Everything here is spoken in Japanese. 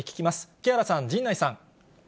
木原さん、陣内さん。